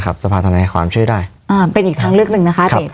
สภาธนาความช่วยได้อ่าเป็นอีกทางเลือกหนึ่งนะคะเพจ